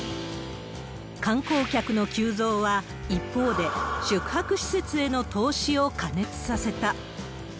観光客の急増は一方で、宿泊施設への投資を過熱させた。